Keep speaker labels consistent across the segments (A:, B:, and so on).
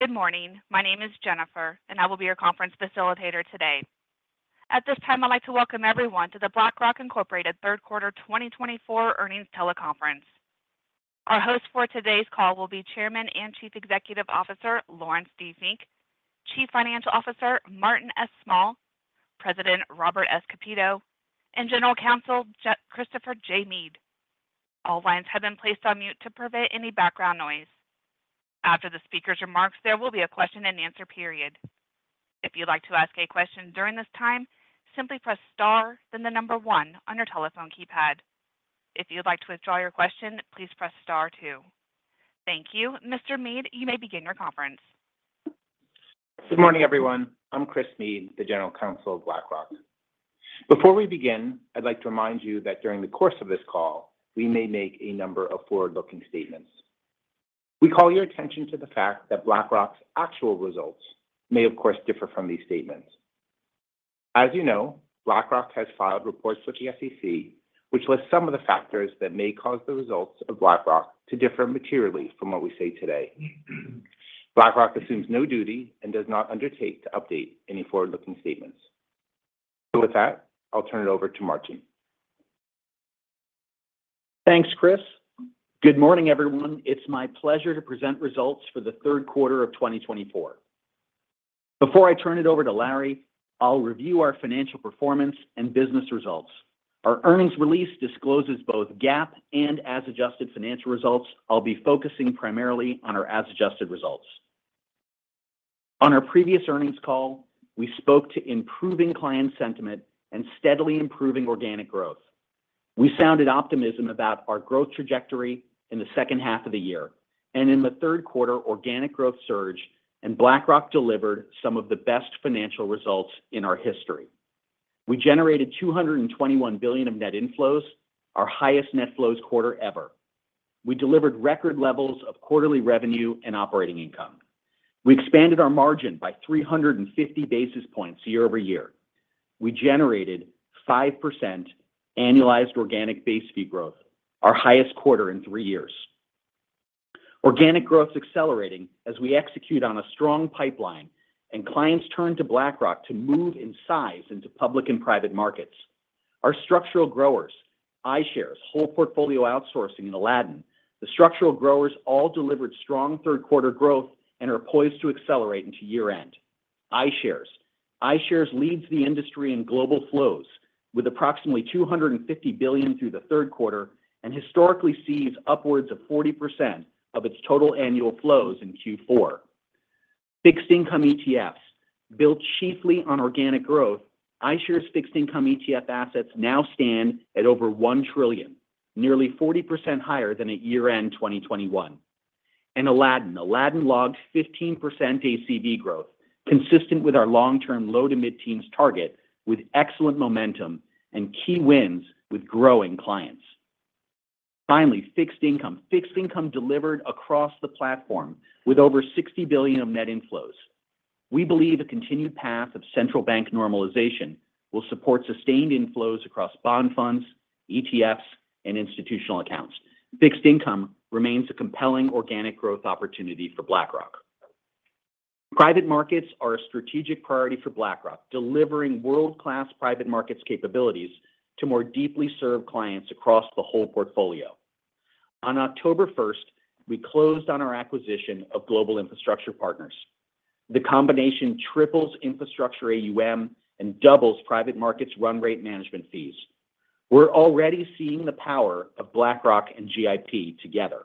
A: Good morning. My name is Jennifer, and I will be your conference facilitator today. At this time, I'd like to welcome everyone to the BlackRock Incorporated Third Quarter 2024 earnings teleconference. Our hosts for today's call will be Chairman and Chief Executive Officer Laurence D. Fink, Chief Financial Officer Martin S. Small, President Robert S. Kapito, and General Counsel Christopher J. Meade. All lines have been placed on mute to prevent any background noise. After the speaker's remarks, there will be a question-and-answer period. If you'd like to ask a question during this time, simply press star, then the number one on your telephone keypad. If you'd like to withdraw your question, please press star two. Thank you. Mr. Meade, you may begin your conference.
B: Good morning, everyone. I'm Chris Meade, the General Counsel of BlackRock. Before we begin, I'd like to remind you that during the course of this call, we may make a number of forward-looking statements. We call your attention to the fact that BlackRock's actual results may, of course, differ from these statements. As you know, BlackRock has filed reports with the SEC, which lists some of the factors that may cause the results of BlackRock to differ materially from what we see today. BlackRock assumes no duty and does not undertake to update any forward-looking statements. So with that, I'll turn it over to Martin.
C: Thanks, Chris. Good morning, everyone. It's my pleasure to present results for the Third Quarter of 2024. Before I turn it over to Larry, I'll review our financial performance and business results. Our earnings release discloses both GAAP and as-adjusted financial results. I'll be focusing primarily on our as-adjusted results. On our previous earnings call, we spoke to improving client sentiment and steadily improving organic growth. We sounded optimism about our growth trajectory in the second half of the year, and in the Third Quarter, organic growth surged, and BlackRock delivered some of the best financial results in our history. We generated $221 billion of net inflows, our highest net flows quarter ever. We delivered record levels of quarterly revenue and operating income. We expanded our margin by 350 basis points year over year. We generated 5% annualized organic base fee growth, our highest quarter in three years. Organic growth is accelerating as we execute on a strong pipeline, and clients turn to BlackRock to move in size into public and private markets. Our structural growers, iShares, whole portfolio outsourcing in Aladdin, the structural growers all delivered strong third quarter growth and are poised to accelerate into year-end. iShares, iShares leads the industry in global flows with approximately $250 billion through the third quarter and historically seized upwards of 40% of its total annual flows in Q4. Fixed income ETFs built chiefly on organic growth. iShares fixed income ETF assets now stand at over $1 trillion, nearly 40% higher than at year-end 2021. And Aladdin, Aladdin logged 15% ACV growth, consistent with our long-term low-to-mid teens target, with excellent momentum and key wins with growing clients. Finally, fixed income, fixed income delivered across the platform with over $60 billion of net inflows. We believe a continued path of central bank normalization will support sustained inflows across bond funds, ETFs, and institutional accounts. Fixed income remains a compelling organic growth opportunity for BlackRock. Private markets are a strategic priority for BlackRock, delivering world-class private markets capabilities to more deeply serve clients across the whole portfolio. On October 1st, we closed on our acquisition of Global Infrastructure Partners. The combination triples infrastructure AUM and doubles private markets' run rate management fees. We're already seeing the power of BlackRock and GIP together.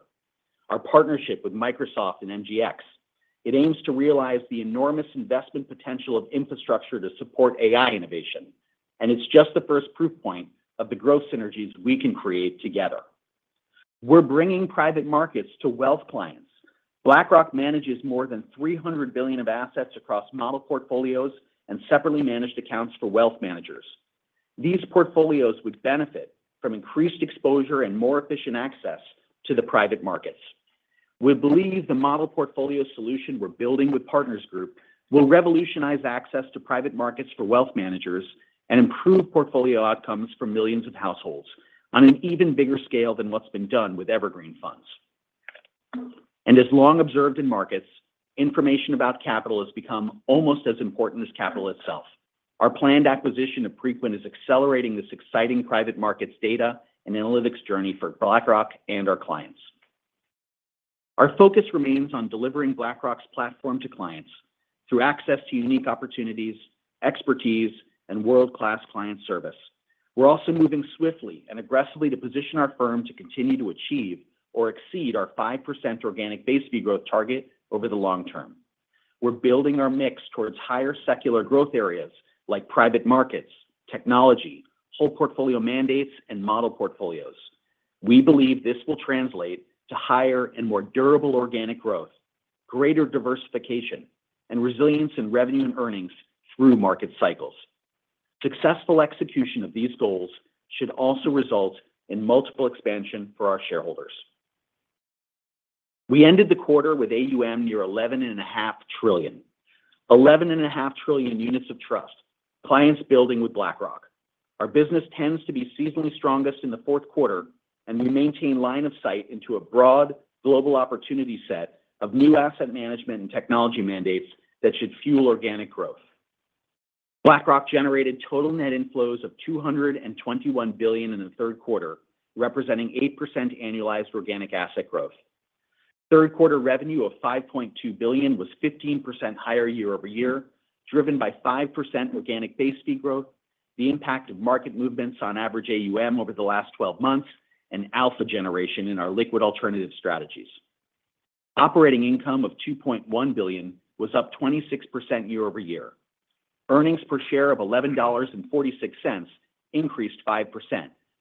C: Our partnership with Microsoft and MGX, it aims to realize the enormous investment potential of infrastructure to support AI innovation, and it's just the first proof point of the growth synergies we can create together. We're bringing private markets to wealth clients. BlackRock manages more than $300 billion of assets across model portfolios and separately managed accounts for wealth managers. These portfolios would benefit from increased exposure and more efficient access to the private markets. We believe the model portfolio solution we're building with Partners Group will revolutionize access to private markets for wealth managers and improve portfolio outcomes for millions of households on an even bigger scale than what's been done with evergreen funds. And as long observed in markets, information about capital has become almost as important as capital itself. Our planned acquisition of Preqin is accelerating this exciting private markets data and analytics journey for BlackRock and our clients. Our focus remains on delivering BlackRock's platform to clients through access to unique opportunities, expertise, and world-class client service. We're also moving swiftly and aggressively to position our firm to continue to achieve or exceed our 5% organic base fee growth target over the long term. We're building our mix towards higher secular growth areas like private markets, technology, whole portfolio mandates, and model portfolios. We believe this will translate to higher and more durable organic growth, greater diversification, and resilience in revenue and earnings through market cycles. Successful execution of these goals should also result in multiple expansion for our shareholders. We ended the quarter with AUM near $11.5 trillion, $11.5 trillion units of trust clients building with BlackRock. Our business tends to be seasonally strongest in the Fourth Quarter, and we maintain line of sight into a broad global opportunity set of new asset management and technology mandates that should fuel organic growth. BlackRock generated total net inflows of $221 billion in the Third Quarter, representing 8% annualized organic asset growth. Third Quarter revenue of $5.2 billion was 15% higher year over year, driven by 5% organic base fee growth, the impact of market movements on average AUM over the last 12 months, and alpha generation in our liquid alternative strategies. Operating income of $2.1 billion was up 26% year over year. Earnings per share of $11.46 increased 5%,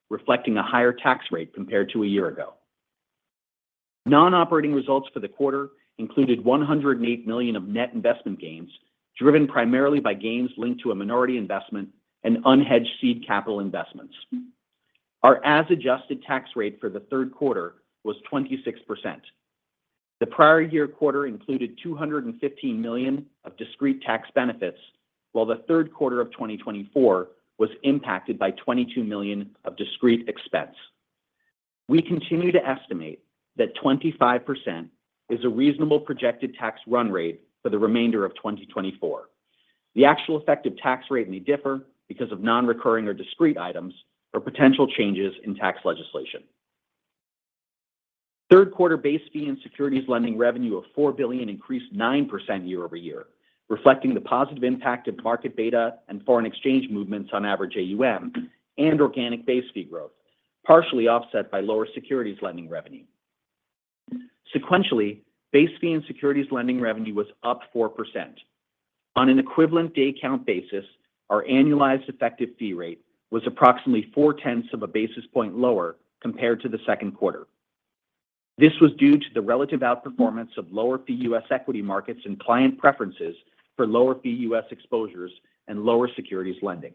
C: reflecting a higher tax rate compared to a year ago. Non-operating results for the quarter included $108 million of net investment gains, driven primarily by gains linked to a minority investment and unhedged seed capital investments. Our as-adjusted tax rate for the Third Quarter was 26%. The prior year quarter included $215 million of discrete tax benefits, while the Third Quarter of 2024 was impacted by $22 million of discrete expense. We continue to estimate that 25% is a reasonable projected tax run rate for the remainder of 2024. The actual effective tax rate may differ because of non-recurring or discrete items or potential changes in tax legislation. Third Quarter base fee and securities lending revenue of $4 billion increased 9% year over year, reflecting the positive impact of market beta and foreign exchange movements on average AUM and organic base fee growth, partially offset by lower securities lending revenue. Sequentially, base fee and securities lending revenue was up 4%. On an equivalent day count basis, our annualized effective fee rate was approximately four tenths of a basis point lower compared to the Second Quarter. This was due to the relative outperformance of lower fee U.S. equity markets and client preferences for lower fee U.S. exposures and lower securities lending.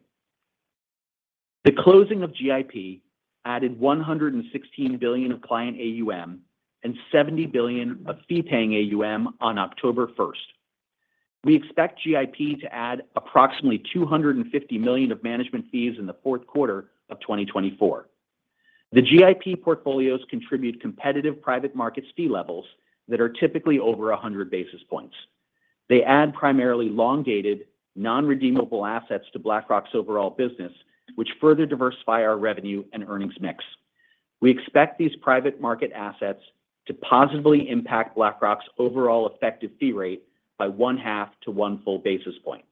C: The closing of GIP added $116 billion of client AUM and $70 billion of fee-paying AUM on October 1st. We expect GIP to add approximately $250 million of management fees in the Fourth Quarter of 2024. The GIP portfolios contribute competitive private markets fee levels that are typically over 100 basis points. They add primarily long-dated, non-redeemable assets to BlackRock's overall business, which further diversify our revenue and earnings mix. We expect these private market assets to positively impact BlackRock's overall effective fee rate by one half to one full basis point.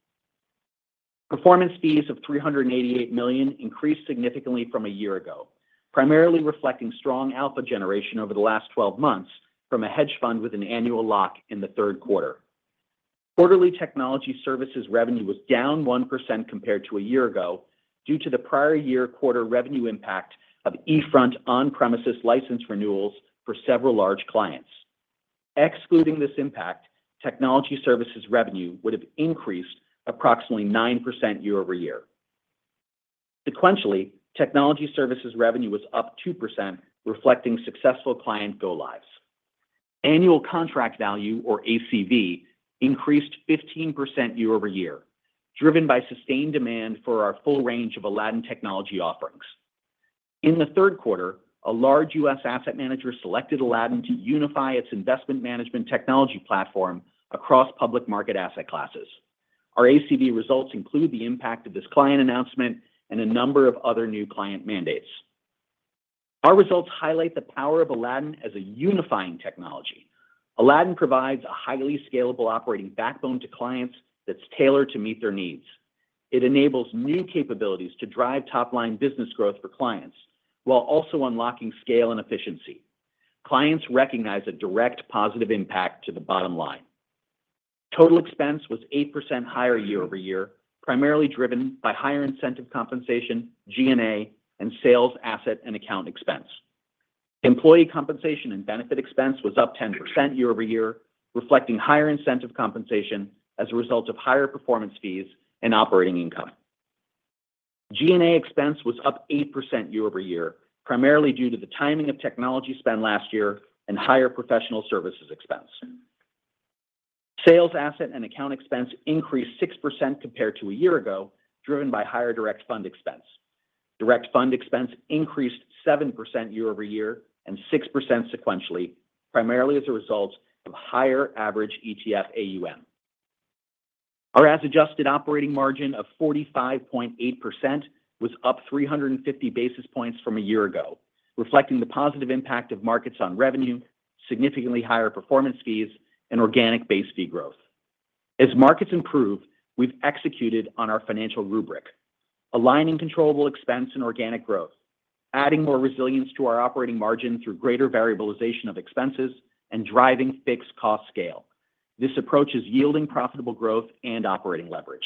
C: Performance fees of $388 million increased significantly from a year ago, primarily reflecting strong alpha generation over the last 12 months from a hedge fund with an annual lock in the Third Quarter. Quarterly technology services revenue was down 1% compared to a year ago due to the prior year quarter revenue impact of eFront on-premises license renewals for several large clients. Excluding this impact, technology services revenue would have increased approximately 9% year over year. Sequentially, technology services revenue was up 2%, reflecting successful client go-lives. Annual contract value, or ACV, increased 15% year over year, driven by sustained demand for our full range of Aladdin technology offerings. In the Third Quarter, a large U.S. asset manager selected Aladdin to unify its investment management technology platform across public market asset classes. Our ACV results include the impact of this client announcement and a number of other new client mandates. Our results highlight the power of Aladdin as a unifying technology. Aladdin provides a highly scalable operating backbone to clients that's tailored to meet their needs. It enables new capabilities to drive top-line business growth for clients while also unlocking scale and efficiency. Clients recognize a direct positive impact to the bottom line. Total expense was 8% higher year over year, primarily driven by higher incentive compensation, G&A, and sales, asset, and account expense. Employee compensation and benefit expense was up 10% year over year, reflecting higher incentive compensation as a result of higher performance fees and operating income. G&A expense was up 8% year over year, primarily due to the timing of technology spend last year and higher professional services expense. Sales, asset, and account expense increased 6% compared to a year ago, driven by higher direct fund expense. Direct fund expense increased 7% year over year and 6% sequentially, primarily as a result of higher average ETF AUM. Our as-adjusted operating margin of 45.8% was up 350 basis points from a year ago, reflecting the positive impact of markets on revenue, significantly higher performance fees, and organic base fee growth. As markets improve, we've executed on our financial rubric, aligning controllable expense and organic growth, adding more resilience to our operating margin through greater variabilization of expenses and driving fixed cost scale. This approach is yielding profitable growth and operating leverage.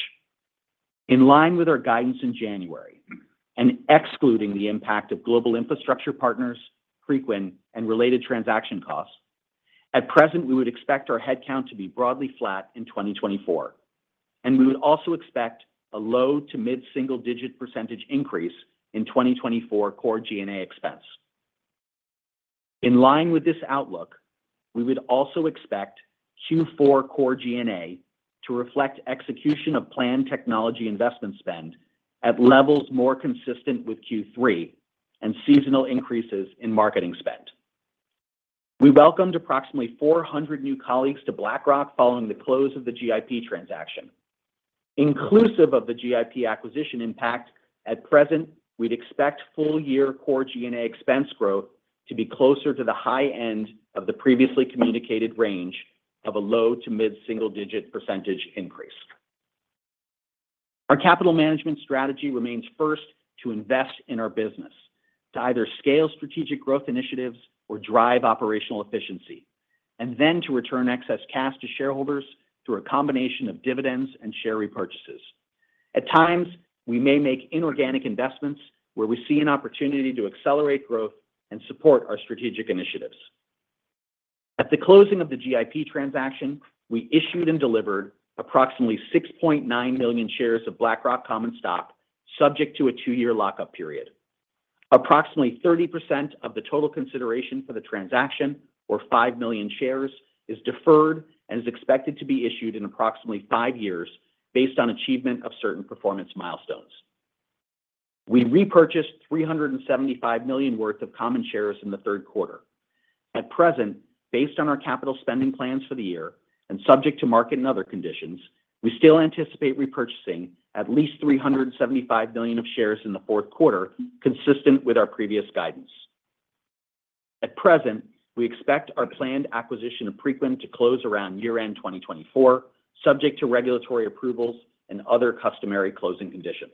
C: In line with our guidance in January and excluding the impact of Global Infrastructure Partners, Preqin, and related transaction costs, at present, we would expect our headcount to be broadly flat in 2024. And we would also expect a low- to mid-single-digit percentage increase in 2024 core G&A expense. In line with this outlook, we would also expect Q4 core G&A to reflect execution of planned technology investment spend at levels more consistent with Q3 and seasonal increases in marketing spend. We welcomed approximately 400 new colleagues to BlackRock following the close of the GIP transaction. Inclusive of the GIP acquisition impact, at present, we'd expect full-year core G&A expense growth to be closer to the high end of the previously communicated range of a low- to mid-single-digit percentage increase. Our capital management strategy remains first to invest in our business, to either scale strategic growth initiatives or drive operational efficiency, and then to return excess cash to shareholders through a combination of dividends and share repurchases. At times, we may make inorganic investments where we see an opportunity to accelerate growth and support our strategic initiatives. At the closing of the GIP transaction, we issued and delivered approximately 6.9 million shares of BlackRock common stock, subject to a two-year lockup period. Approximately 30% of the total consideration for the transaction, or 5 million shares, is deferred and is expected to be issued in approximately five years based on achievement of certain performance milestones. We repurchased $375 million worth of common shares in the Third Quarter. At present, based on our capital spending plans for the year and subject to market and other conditions, we still anticipate repurchasing at least $375 million of shares in the Fourth Quarter, consistent with our previous guidance. At present, we expect our planned acquisition of Preqin to close around year-end 2024, subject to regulatory approvals and other customary closing conditions.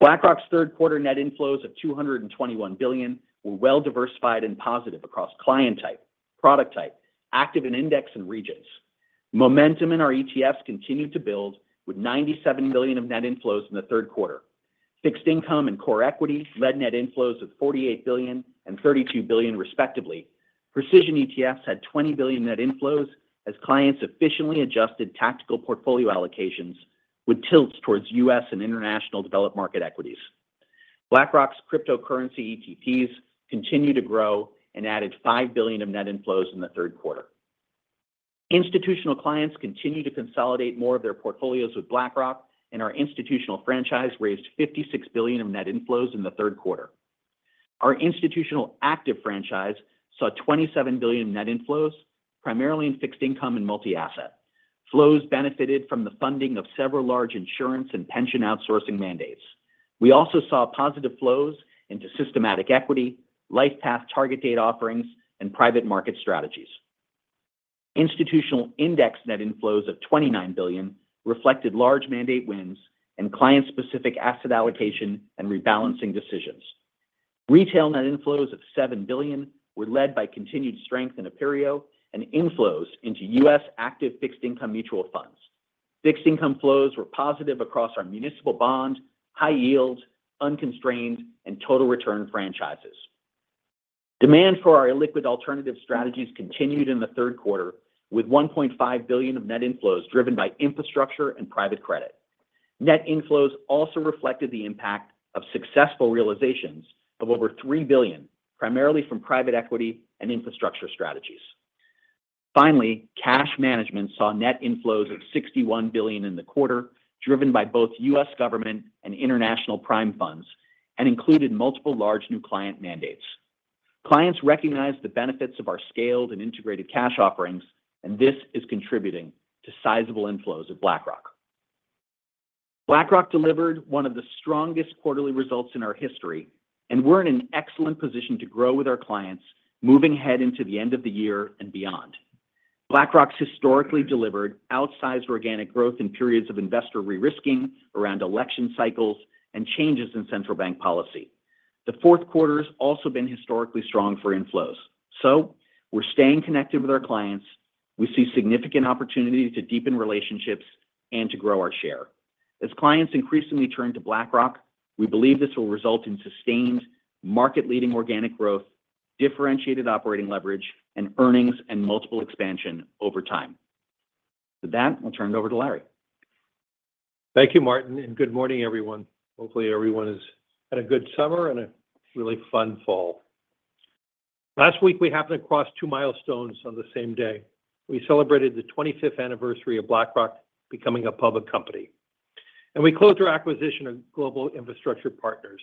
C: BlackRock's Third Quarter net inflows of $221 billion were well-diversified and positive across client type, product type, active and index and regions. Momentum in our ETFs continued to build with $97 billion of net inflows in the Third Quarter. Fixed income and core equity led net inflows of $48 billion and $32 billion, respectively. Precision ETFs had $20 billion net inflows as clients efficiently adjusted tactical portfolio allocations with tilts towards U.S. and international developed market equities. BlackRock's cryptocurrency ETPs continued to grow and added $5 billion of net inflows in the third quarter. Institutional clients continued to consolidate more of their portfolios with BlackRock, and our institutional franchise raised $56 billion of net inflows in the third quarter. Our institutional active franchise saw $27 billion of net inflows, primarily in fixed income and multi-asset. Flows benefited from the funding of several large insurance and pension outsourcing mandates. We also saw positive flows into systematic equity, LifePath target date offerings, and private market strategies. Institutional index net inflows of $29 billion reflected large mandate wins and client-specific asset allocation and rebalancing decisions. Retail net inflows of $7 billion were led by continued strength in APAC and inflows into U.S. active fixed income mutual funds. Fixed income flows were positive across our municipal bond, high yield, unconstrained, and total return franchises. Demand for our illiquid alternative strategies continued in the third quarter with $1.5 billion of net inflows driven by infrastructure and private credit. Net inflows also reflected the impact of successful realizations of over $3 billion, primarily from private equity and infrastructure strategies. Finally, cash management saw net inflows of $61 billion in the quarter, driven by both U.S. government and international prime funds, and included multiple large new client mandates. Clients recognized the benefits of our scaled and integrated cash offerings, and this is contributing to sizable inflows at BlackRock. BlackRock delivered one of the strongest quarterly results in our history, and we're in an excellent position to grow with our clients, moving ahead into the end of the year and beyond. BlackRock's historically delivered outsized organic growth in periods of investor re-risking around election cycles and changes in central bank policy. The fourth quarter has also been historically strong for inflows. So we're staying connected with our clients. We see significant opportunity to deepen relationships and to grow our share. As clients increasingly turn to BlackRock, we believe this will result in sustained market-leading organic growth, differentiated operating leverage, and earnings and multiple expansion over time. With that, I'll turn it over to Larry.
D: Thank you, Martin, and good morning, everyone. Hopefully, everyone has had a good summer and a really fun fall. Last week, we happened across two milestones on the same day. We celebrated the 25th anniversary of BlackRock becoming a public company, and we closed our acquisition of Global Infrastructure Partners.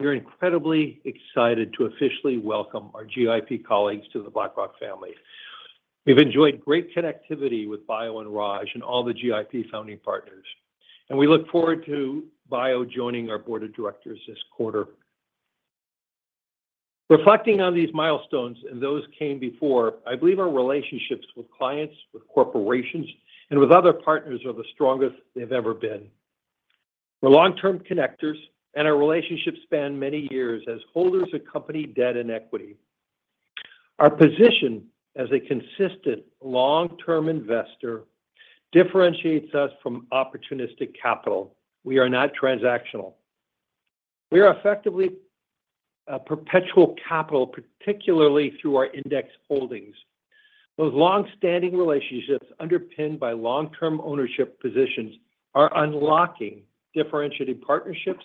D: We are incredibly excited to officially welcome our GIP colleagues to the BlackRock family. We've enjoyed great connectivity with Bayo and Raj and all the GIP founding partners, and we look forward to Bayo joining our board of directors this quarter. Reflecting on these milestones and those came before, I believe our relationships with clients, with corporations, and with other partners are the strongest they've ever been. We're long-term connectors, and our relationships span many years as holders of company debt and equity. Our position as a consistent long-term investor differentiates us from opportunistic capital. We are not transactional. We are effectively a perpetual capital, particularly through our index holdings. Those long-standing relationships, underpinned by long-term ownership positions, are unlocking differentiated partnerships,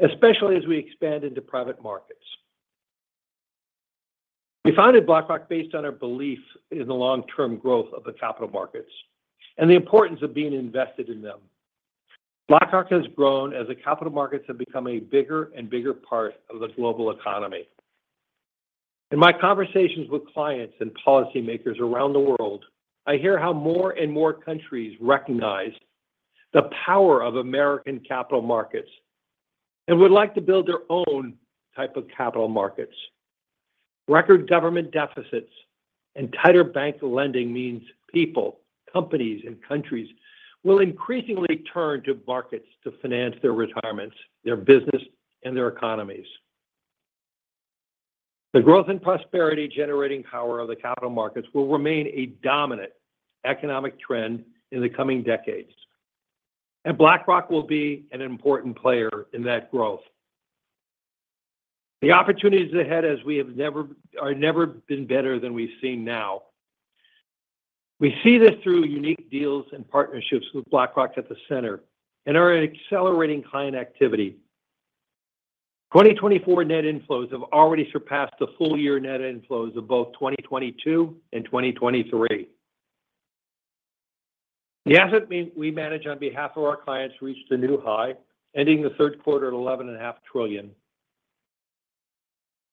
D: especially as we expand into private markets. We founded BlackRock based on our belief in the long-term growth of the capital markets and the importance of being invested in them. BlackRock has grown as the capital markets have become a bigger and bigger part of the global economy. In my conversations with clients and policymakers around the world, I hear how more and more countries recognize the power of American capital markets and would like to build their own type of capital markets. Record government deficits and tighter bank lending means people, companies, and countries will increasingly turn to markets to finance their retirements, their business, and their economies. The growth and prosperity-generating power of the capital markets will remain a dominant economic trend in the coming decades, and BlackRock will be an important player in that growth. The opportunities ahead are never been better than we've seen now. We see this through unique deals and partnerships with BlackRock at the center and our accelerating client activity. 2024 net inflows have already surpassed the full-year net inflows of both 2022 and 2023. The assets we manage on behalf of our clients reached a new high, ending the third quarter at $11.5 trillion.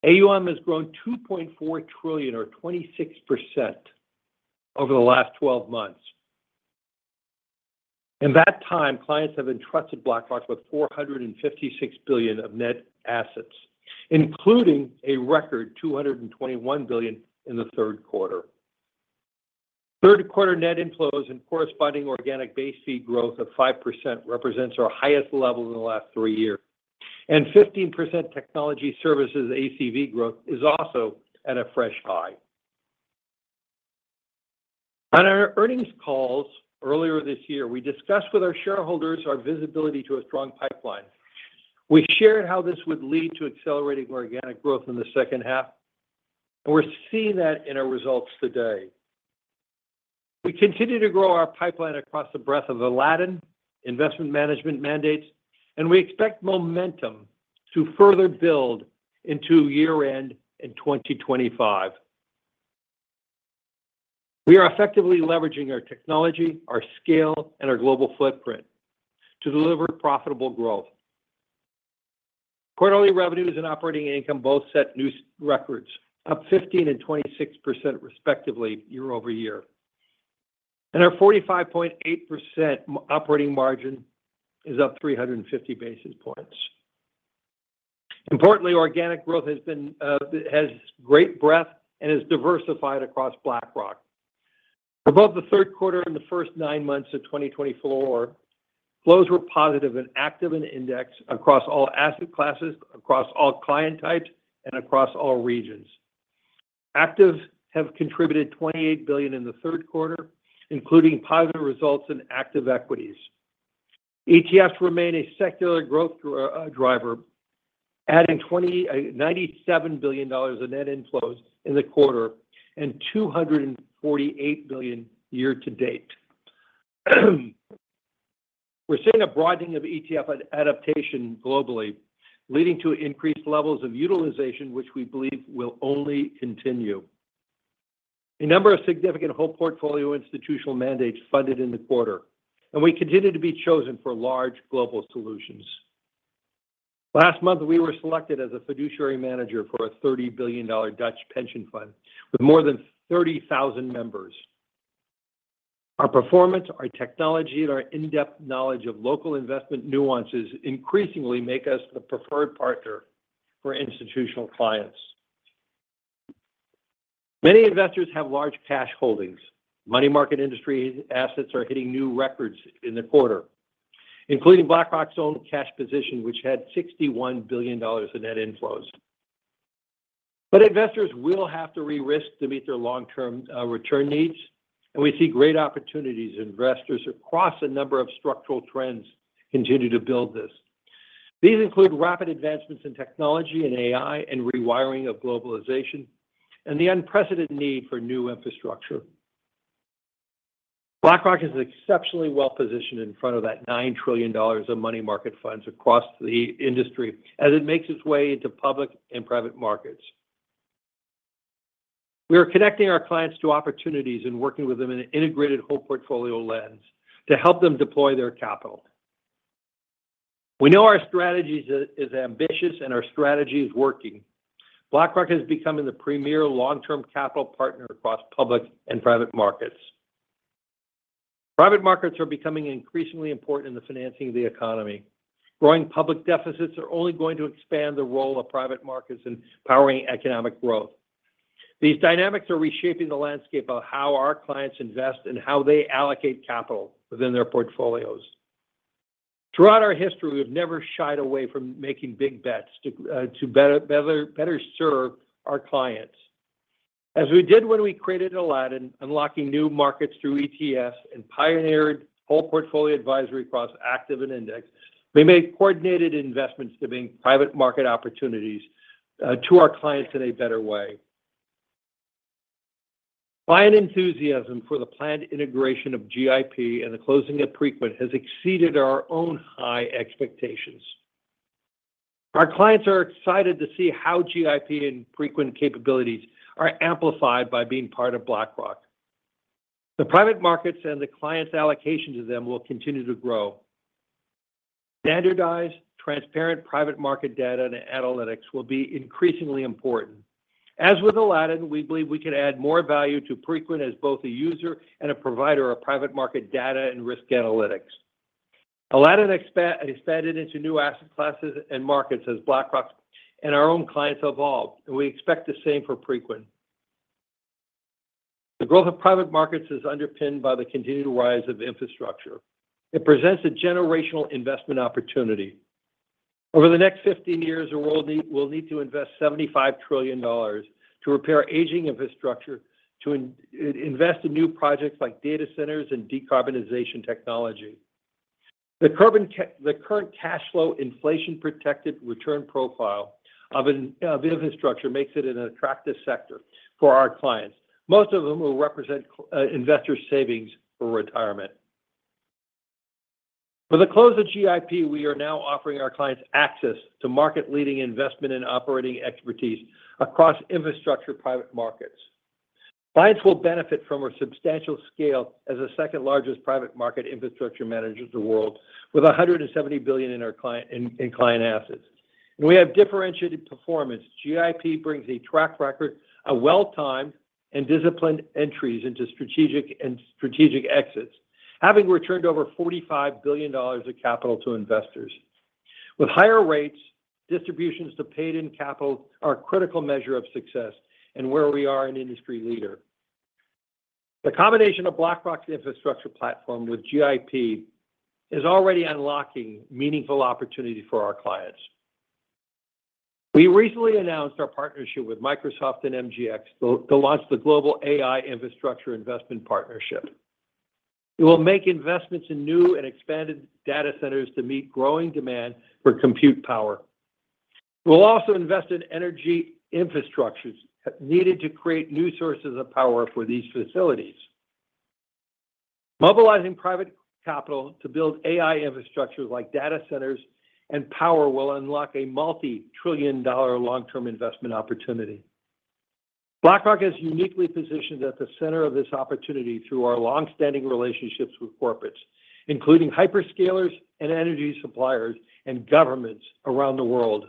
D: AUM has grown $2.4 trillion, or 26%, over the last 12 months. In that time, clients have entrusted BlackRock with $456 billion of net assets, including a record $221 billion in the third quarter. Third quarter net inflows and corresponding organic base fee growth of 5% represents our highest level in the last three years, and 15% technology services ACV growth is also at a fresh high. On our earnings calls earlier this year, we discussed with our shareholders our visibility to a strong pipeline. We shared how this would lead to accelerating organic growth in the second half, and we're seeing that in our results today. We continue to grow our pipeline across the breadth of Aladdin investment management mandates, and we expect momentum to further build into year-end in 2025. We are effectively leveraging our technology, our scale, and our global footprint to deliver profitable growth. Quarterly revenues and operating income both set new records, up 15% and 26%, respectively, year over year, and our 45.8% operating margin is up 350 basis points. Importantly, organic growth has great breadth and is diversified across BlackRock. For both the third quarter and the first nine months of 2024, flows were positive in active and index across all asset classes, across all client types, and across all regions. Active have contributed $28 billion in the third quarter, including positive results in active equities. ETFs remain a secular growth driver, adding $97 billion of net inflows in the quarter and $248 billion year-to-date. We're seeing a broadening of ETF adaptation globally, leading to increased levels of utilization, which we believe will only continue. A number of significant whole portfolio institutional mandates funded in the Quarter, and we continue to be chosen for large global solutions. Last month, we were selected as a fiduciary manager for a $30 billion Dutch pension fund with more than 30,000 members. Our performance, our technology, and our in-depth knowledge of local investment nuances increasingly make us the preferred partner for institutional clients. Many investors have large cash holdings. Money market industry assets are hitting new records in the Quarter, including BlackRock's own cash position, which had $61 billion of net inflows. But investors will have to re-risk to meet their long-term return needs, and we see great opportunities. Investors across a number of structural trends continue to build this. These include rapid advancements in technology and AI and rewiring of globalization and the unprecedented need for new infrastructure. BlackRock is exceptionally well-positioned in front of that $9 trillion of money market funds across the industry as it makes its way into public and private markets. We are connecting our clients to opportunities and working with them in an integrated whole portfolio lens to help them deploy their capital. We know our strategy is ambitious and our strategy is working. BlackRock has become the premier long-term capital partner across public and private markets. Private markets are becoming increasingly important in the financing of the economy. Growing public deficits are only going to expand the role of private markets in powering economic growth. These dynamics are reshaping the landscape of how our clients invest and how they allocate capital within their portfolios. Throughout our history, we have never shied away from making big bets to better serve our clients. As we did when we created Aladdin, unlocking new markets through ETFs and pioneering whole portfolio advisory across active and index, we made coordinated investments to bring private market opportunities to our clients in a better way. Client enthusiasm for the planned integration of GIP and the closing of Preqin has exceeded our own high expectations. Our clients are excited to see how GIP and Preqin capabilities are amplified by being part of BlackRock. The private markets and the clients' allocation to them will continue to grow. Standardized, transparent private market data and analytics will be increasingly important. As with Aladdin, we believe we can add more value to Preqin as both a user and a provider of private market data and risk analytics. Aladdin expanded into new asset classes and markets as BlackRock and our own clients evolved, and we expect the same for Preqin. The growth of private markets is underpinned by the continued rise of infrastructure. It presents a generational investment opportunity. Over the next 15 years, we'll need to invest $75 trillion to repair aging infrastructure, to invest in new projects like data centers and decarbonization technology. The current cash flow inflation-protected return profile of infrastructure makes it an attractive sector for our clients. Most of them will represent investor savings for retirement. With the close of GIP, we are now offering our clients access to market-leading investment and operating expertise across infrastructure private markets. Clients will benefit from our substantial scale as the second-largest private market infrastructure manager in the world, with $170 billion in client assets. And we have differentiated performance. GIP brings a track record of well-timed and disciplined entries into strategic exits, having returned over $45 billion of capital to investors. With higher rates, distributions to paid-in capital are a critical measure of success and where we are an industry leader. The combination of BlackRock's infrastructure platform with GIP is already unlocking meaningful opportunities for our clients. We recently announced our partnership with Microsoft and MGX to launch the Global AI Infrastructure Investment Partnership. It will make investments in new and expanded data centers to meet growing demand for compute power. We'll also invest in energy infrastructures needed to create new sources of power for these facilities. Mobilizing private capital to build AI infrastructures like data centers and power will unlock a multi-trillion-dollar long-term investment opportunity. BlackRock is uniquely positioned at the center of this opportunity through our long-standing relationships with corporates, including hyperscalers and energy suppliers and governments around the world.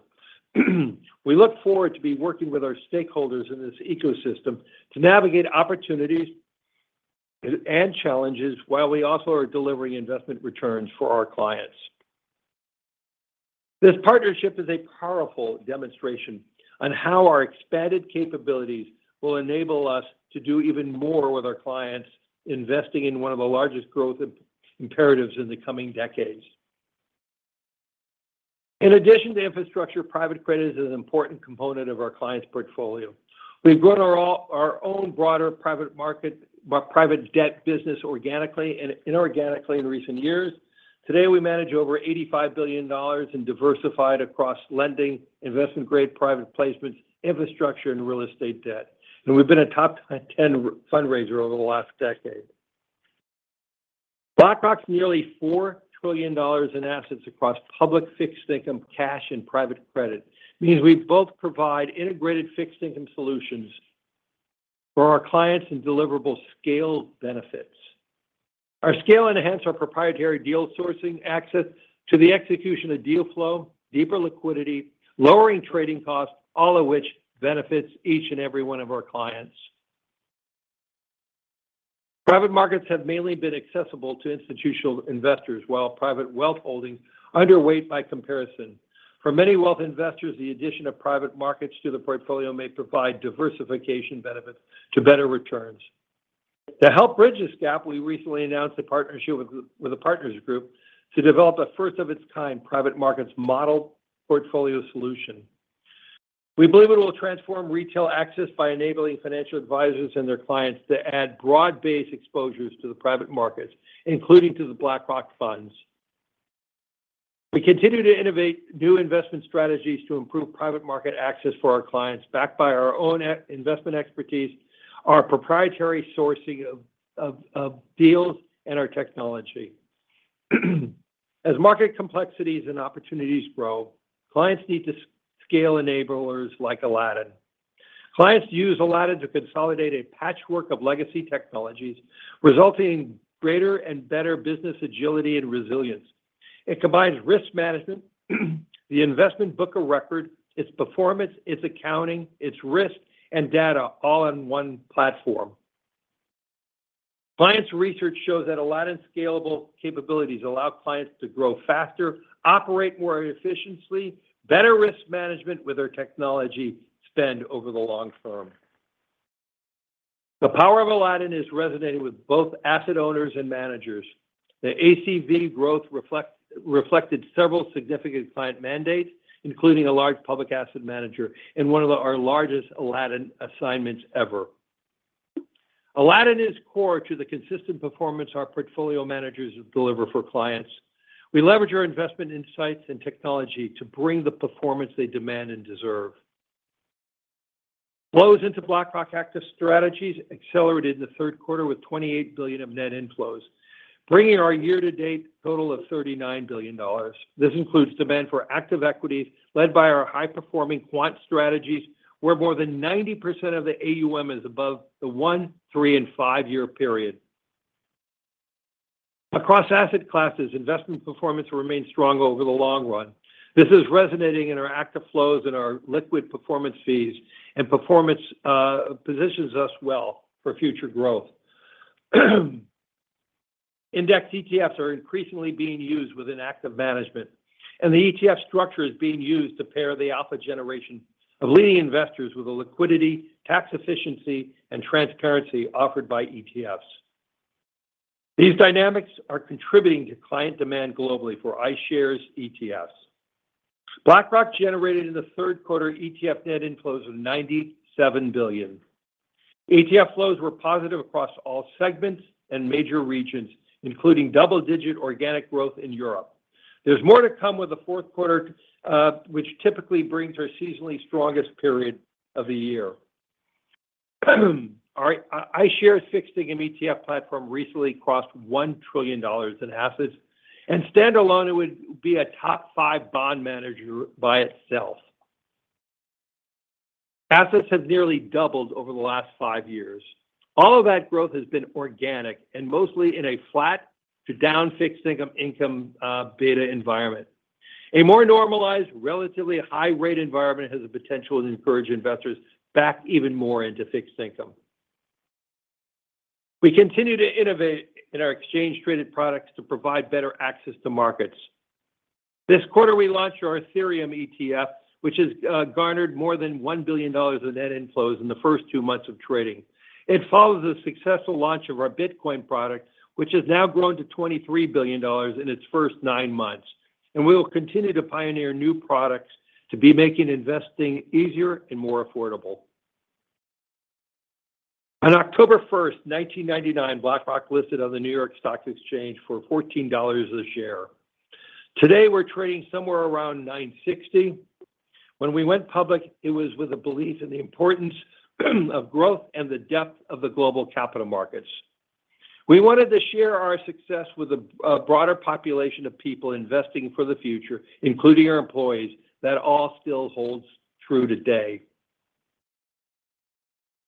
D: We look forward to working with our stakeholders in this ecosystem to navigate opportunities and challenges while we also are delivering investment returns for our clients. This partnership is a powerful demonstration on how our expanded capabilities will enable us to do even more with our clients, investing in one of the largest growth imperatives in the coming decades. In addition to infrastructure, private credit is an important component of our clients' portfolio. We've grown our own broader private debt business organically and inorganically in recent years. Today, we manage over $85 billion, diversified across lending, investment-grade private placements, infrastructure, and real estate debt, and we've been a top 10 fundraiser over the last decade. BlackRock's nearly $4 trillion in assets across public fixed-income, cash, and private credit means we both provide integrated fixed-income solutions for our clients and deliverable scale benefits. Our scale enhanced our proprietary deal sourcing access to the execution of deal flow, deeper liquidity, lowering trading costs, all of which benefits each and every one of our clients. Private markets have mainly been accessible to institutional investors, while private wealth holdings underweight by comparison. For many wealth investors, the addition of private markets to the portfolio may provide diversification benefits to better returns. To help bridge this gap, we recently announced a partnership with Partners Group to develop a first-of-its-kind private markets model portfolio solution. We believe it will transform retail access by enabling financial advisors and their clients to add broad-based exposures to the private markets, including to the BlackRock funds. We continue to innovate new investment strategies to improve private market access for our clients, backed by our own investment expertise, our proprietary sourcing of deals, and our technology. As market complexities and opportunities grow, clients need to scale enablers like Aladdin. Clients use Aladdin to consolidate a patchwork of legacy technologies, resulting in greater and better business agility and resilience. It combines risk management, the investment book of record, its performance, its accounting, its risk, and data all on one platform. Clients' research shows that Aladdin's scalable capabilities allow clients to grow faster, operate more efficiently, better risk management with their technology spend over the long term. The power of Aladdin is resonating with both asset owners and managers. The ACV growth reflected several significant client mandates, including a large public asset manager and one of our largest Aladdin assignments ever. Aladdin is core to the consistent performance our portfolio managers deliver for clients. We leverage our investment insights and technology to bring the performance they demand and deserve. Flows into BlackRock active strategies accelerated in the third quarter with $28 billion of net inflows, bringing our year-to-date total of $39 billion. This includes demand for active equities led by our high-performing quant strategies, where more than 90% of the AUM is above the one, three, and five-year period. Across asset classes, investment performance remains strong over the long run. This is resonating in our active flows and our liquid performance fees, and performance positions us well for future growth. Index ETFs are increasingly being used within active management, and the ETF structure is being used to pair the alpha generation of leading investors with the liquidity, tax efficiency, and transparency offered by ETFs. These dynamics are contributing to client demand globally for iShares ETFs. BlackRock generated in the third quarter ETF net inflows of $97 billion. ETF flows were positive across all segments and major regions, including double-digit organic growth in Europe. There's more to come with the fourth quarter, which typically brings our seasonally strongest period of the year. All right, iShares fixed income ETF platform recently crossed $1 trillion in assets, and standalone, it would be a top five bond manager by itself. Assets have nearly doubled over the last five years. All of that growth has been organic and mostly in a flat to down fixed-income beta environment. A more normalized, relatively high-rate environment has the potential to encourage investors back even more into fixed income. We continue to innovate in our exchange-traded products to provide better access to markets. This quarter, we launched our Ethereum ETF, which has garnered more than $1 billion of net inflows in the first two months of trading. It follows the successful launch of our Bitcoin product, which has now grown to $23 billion in its first nine months, and we will continue to pioneer new products to be making investing easier and more affordable. On October 1st, 1999, BlackRock listed on the New York Stock Exchange for $14 a share. Today, we're trading somewhere around $960. When we went public, it was with a belief in the importance of growth and the depth of the global capital markets. We wanted to share our success with a broader population of people investing for the future, including our employees, that all still holds true today.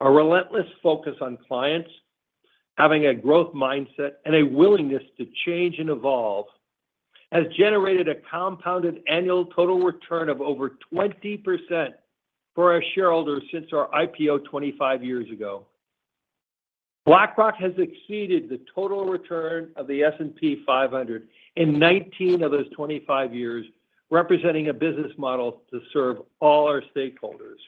D: Our relentless focus on clients, having a growth mindset, and a willingness to change and evolve has generated a compounded annual total return of over 20% for our shareholders since our IPO 25 years ago. BlackRock has exceeded the total return of the S&P 500 in 19 of those 25 years, representing a business model to serve all our stakeholders.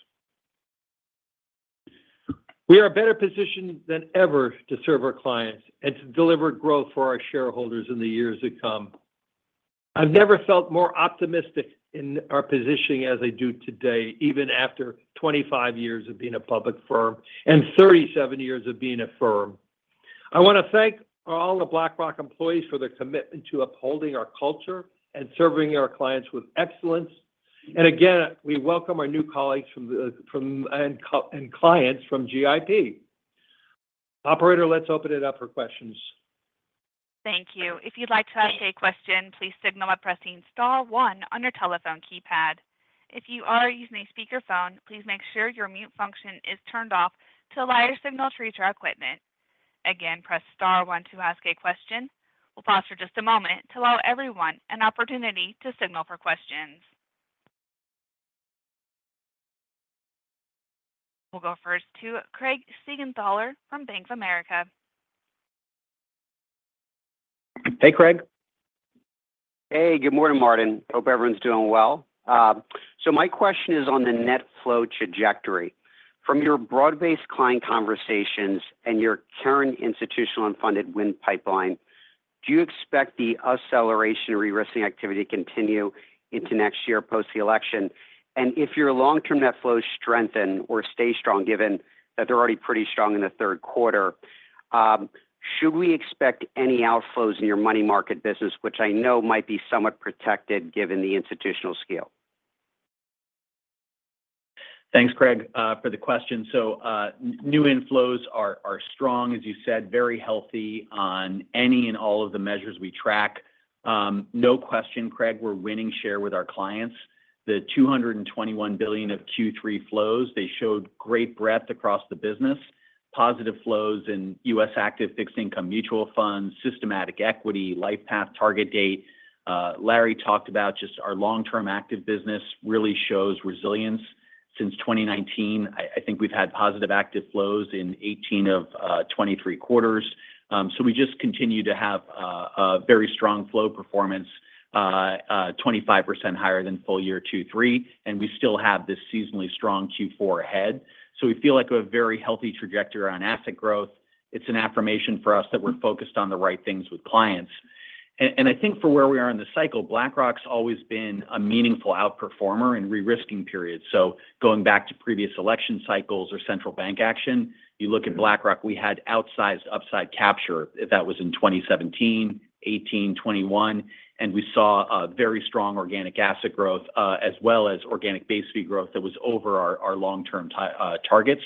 D: We are better positioned than ever to serve our clients and to deliver growth for our shareholders in the years to come. I've never felt more optimistic in our positioning as I do today, even after 25 years of being a public firm and 37 years of being a firm. I want to thank all the BlackRock employees for their commitment to upholding our culture and serving our clients with excellence. And again, we welcome our new colleagues and clients from GIP. Operator, let's open it up for questions.
A: Thank you. If you'd like to ask a question, please signal by pressing Star 1 on your telephone keypad. If you are using a speakerphone, please make sure your mute function is turned off to allow your signal to reach our equipment. Again, press Star 1 to ask a question. We'll pause for just a moment to allow everyone an opportunity to signal for questions. We'll go first to Craig Siegenthaler from Bank of America.
C: Hey, Craig.
E: Hey, good morning, Martin. Hope everyone's doing well. So my question is on the net flow trajectory. From your broad-based client conversations and your current institutional and funded wind pipeline, do you expect the acceleration or re-risking activity to continue into next year post-election? If your long-term net flows strengthen or stay strong, given that they're already pretty strong in the third quarter, should we expect any outflows in your money market business, which I know might be somewhat protected given the institutional scale?
C: Thanks, Craig, for the question. So new inflows are strong, as you said, very healthy on any and all of the measures we track. No question, Craig, we're winning share with our clients. The $221 billion of Q3 flows, they showed great breadth across the business. Positive flows in U.S. active fixed-income mutual funds, systematic equity, LifePath target-date. Larry talked about just our long-term active business really shows resilience. Since 2019, I think we've had positive active flows in 18 of 23 quarters. So we just continue to have a very strong flow performance, 25% higher than full year Q3, and we still have this seasonally strong Q4 ahead. So we feel like we have a very healthy trajectory on asset growth. It's an affirmation for us that we're focused on the right things with clients. And I think for where we are in the cycle, BlackRock's always been a meaningful outperformer in re-risking periods. So going back to previous election cycles or central bank action, you look at BlackRock, we had outsized upside capture if that was in 2017, 2018, 2021, and we saw very strong organic asset growth as well as organic base fee growth that was over our long-term targets.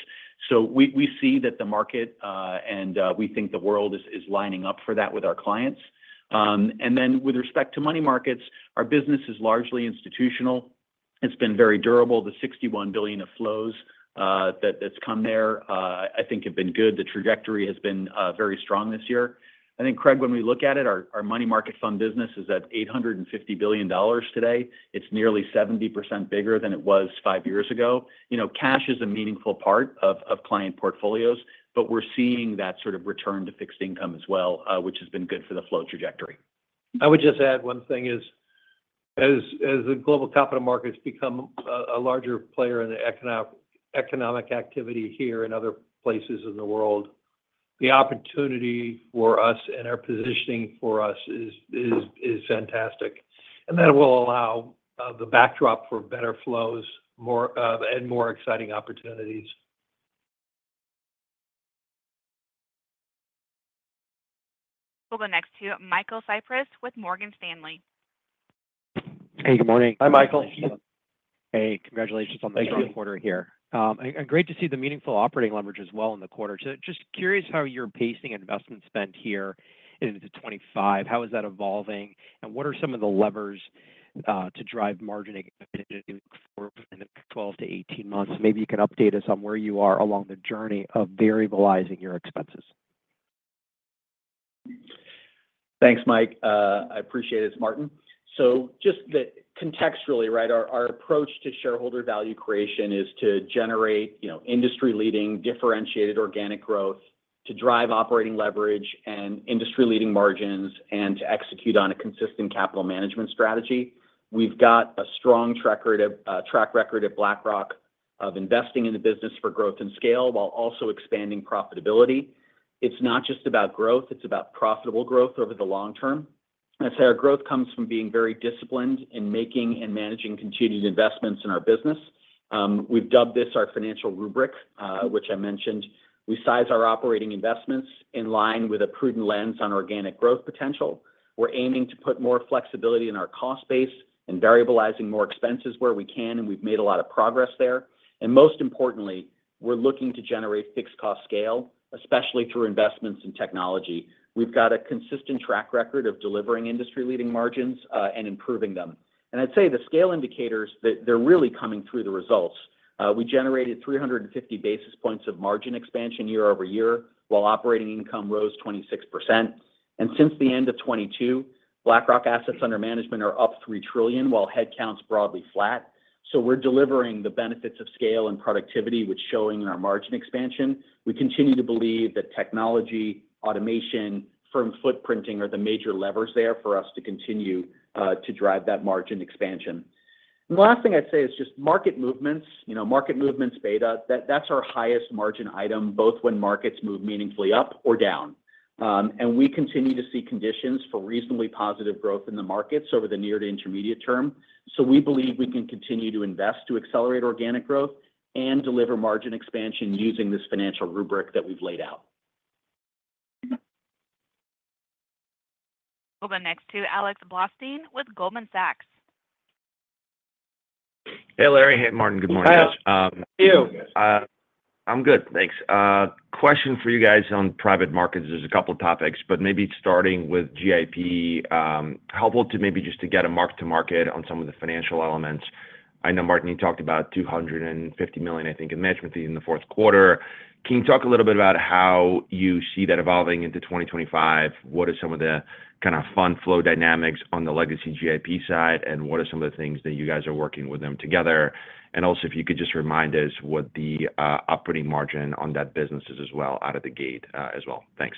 C: So we see that the market and we think the world is lining up for that with our clients. And then with respect to money markets, our business is largely institutional. It's been very durable. The $61 billion of flows that's come there, I think, have been good. The trajectory has been very strong this year. I think, Craig, when we look at it, our money market fund business is at $850 billion today. It's nearly 70% bigger than it was five years ago. Cash is a meaningful part of client portfolios, but we're seeing that sort of return to fixed income as well, which has been good for the flow trajectory.
D: I would just add one thing is, as the global capital markets become a larger player in the economic activity here and other places in the world, the opportunity for us and our positioning for us is fantastic. And that will allow the backdrop for better flows and more exciting opportunities.
A: We'll go next to Michael Cyprys with Morgan Stanley.
F: Hey, good morning.
C: Hi, Michael.
F: Hey, congratulations on the third quarter here. And great to see the meaningful operating leverage as well in the quarter. Just curious how you're pacing investment spend here into 2025. How is that evolving? And what are some of the levers to drive margin in the 12-18 months? Maybe you can update us on where you are along the journey of variabilizing your expenses.
C: Thanks, Mike. I appreciate it, Martin. So just contextually, right, our approach to shareholder value creation is to generate industry-leading differentiated organic growth to drive operating leverage and industry-leading margins and to execute on a consistent capital management strategy. We've got a strong track record at BlackRock of investing in the business for growth and scale while also expanding profitability. It's not just about growth. It's about profitable growth over the long term. I'd say our growth comes from being very disciplined in making and managing continued investments in our business. We've dubbed this our financial rubric, which I mentioned. We size our operating investments in line with a prudent lens on organic growth potential. We're aiming to put more flexibility in our cost base and variabilizing more expenses where we can, and we've made a lot of progress there, and most importantly, we're looking to generate fixed cost scale, especially through investments in technology. We've got a consistent track record of delivering industry-leading margins and improving them, and I'd say the scale indicators, they're really coming through the results. We generated 350 basis points of margin expansion year over year while operating income rose 26%, and since the end of 2022, BlackRock assets under management are up $3 trillion while headcount's broadly flat. So we're delivering the benefits of scale and productivity, which is showing in our margin expansion. We continue to believe that technology, automation, firm footprinting are the major levers there for us to continue to drive that margin expansion. And the last thing I'd say is just market movements, market movements beta, that's our highest margin item both when markets move meaningfully up or down. And we continue to see conditions for reasonably positive growth in the markets over the near to intermediate term. So we believe we can continue to invest to accelerate organic growth and deliver margin expansion using this financial rubric that we've laid out.
A: We'll go next to Alex Blostein with Goldman Sachs.
G: Hey, Larry. Hey, Martin. Good morning.
C: How are you?
G: I'm good. Thanks. Question for you guys on private markets. There's a couple of topics, but maybe starting with GIP, helpful to maybe just to get a mark-to-market on some of the financial elements. I know, Martin, you talked about $250 million, I think, in management fees in the fourth quarter. Can you talk a little bit about how you see that evolving into 2025? What are some of the kind of fund flow dynamics on the legacy GIP side, and what are some of the things that you guys are working with them together? And also, if you could just remind us what the operating margin on that business is as well out of the gate as well. Thanks.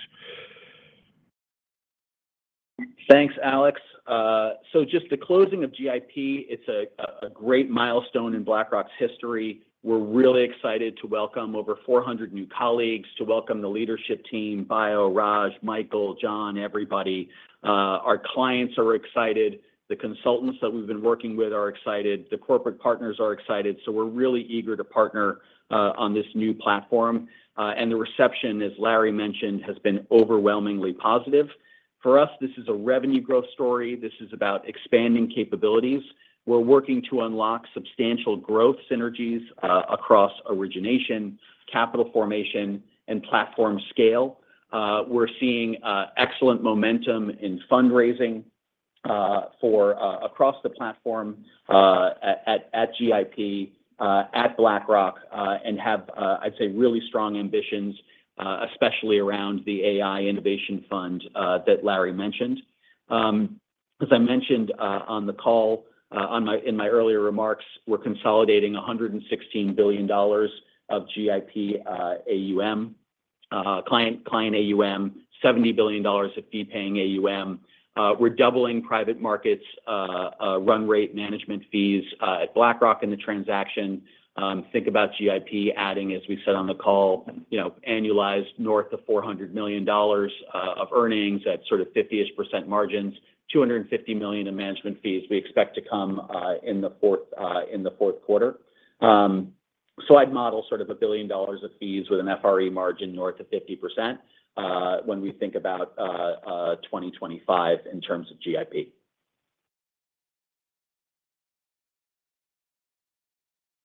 C: Thanks, Alex. So just the closing of GIP, it's a great milestone in BlackRock's history. We're really excited to welcome over 400 new colleagues, to welcome the leadership team: Bio, Raj, Michael, John, everybody. Our clients are excited. The consultants that we've been working with are excited. The corporate partners are excited, so we're really eager to partner on this new platform, and the reception, as Larry mentioned, has been overwhelmingly positive. For us, this is a revenue growth story. This is about expanding capabilities. We're working to unlock substantial growth synergies across origination, capital formation, and platform scale. We're seeing excellent momentum in fundraising across the platform at GIP, at BlackRock, and have, I'd say, really strong ambitions, especially around the AI Innovation Fund that Larry mentioned. As I mentioned on the call, in my earlier remarks, we're consolidating $116 billion of GIP AUM, client AUM, $70 billion of fee-paying AUM. We're doubling private markets' run rate management fees at BlackRock in the transaction. Think about GIP adding, as we said on the call, annualized north of $400 million of earnings at sort of 50-ish% margins, $250 million in management fees we expect to come in the Fourth Quarter. So I'd model sort of a billion dollars of fees with an FRE margin north of 50% when we think about 2025 in terms of GIP.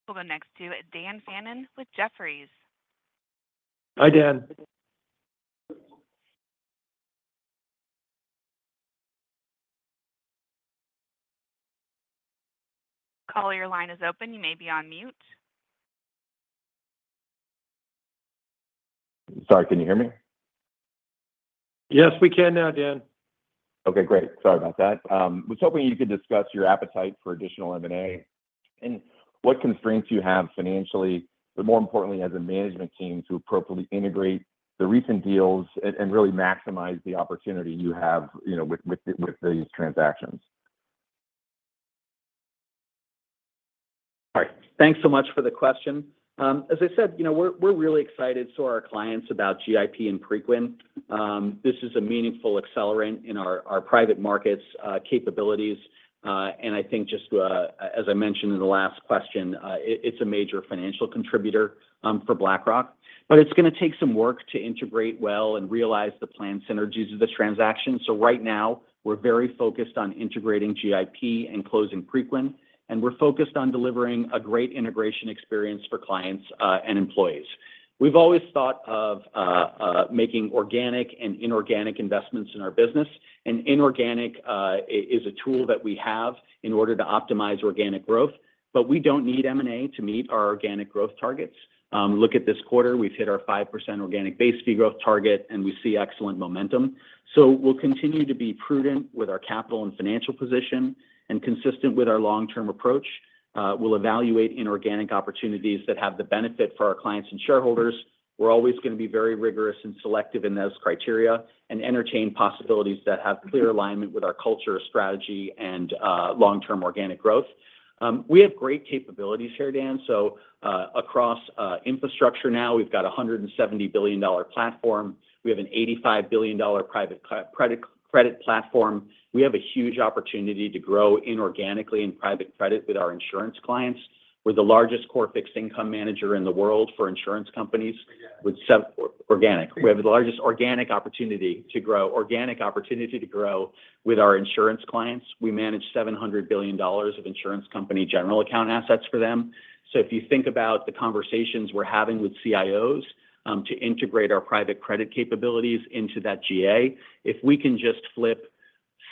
A: We'll go next to Dan Fannon with Jefferies.
D: Hi, Dan.
A: Caller, your line is open. You may be on mute.
H: Sorry, can you hear me?
D: Yes, we can now, Dan.
H: Okay, great. Sorry about that. I was hoping you could discuss your appetite for additional M&A and what constraints you have financially, but more importantly, as a management team, to appropriately integrate the recent deals and really maximize the opportunity you have with these transactions.
C: All right. Thanks so much for the question. As I said, we're really excited for our clients about GIP and Preqin. This is a meaningful accelerant in our private markets' capabilities, and I think just, as I mentioned in the last question, it's a major financial contributor for BlackRock, but it's going to take some work to integrate well and realize the planned synergies of the transaction, so right now, we're very focused on integrating GIP and closing Preqin, and we're focused on delivering a great integration experience for clients and employees. We've always thought of making organic and inorganic investments in our business, and inorganic is a tool that we have in order to optimize organic growth, but we don't need M&A to meet our organic growth targets. Look at this quarter, we've hit our 5% organic base fee growth target, and we see excellent momentum. We'll continue to be prudent with our capital and financial position and consistent with our long-term approach. We'll evaluate inorganic opportunities that have the benefit for our clients and shareholders. We're always going to be very rigorous and selective in those criteria and entertain possibilities that have clear alignment with our culture, strategy, and long-term organic growth. We have great capabilities here, Dan. Across infrastructure now, we've got a $170 billion platform. We have an $85 billion private credit platform. We have a huge opportunity to grow inorganically in private credit with our insurance clients. We're the largest core fixed income manager in the world for insurance companies with organic. We have the largest organic opportunity to grow with our insurance clients. We manage $700 billion of insurance company general account assets for them. So if you think about the conversations we're having with CIOs to integrate our private credit capabilities into that GA, if we can just flip